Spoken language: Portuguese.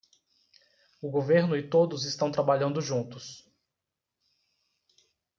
O governo e todos estão trabalhando juntos